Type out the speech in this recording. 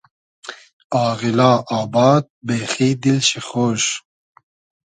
آغیلا آباد , بېخی دیل شی خۉش